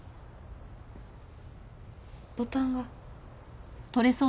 ボタンが。